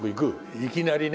いきなりね。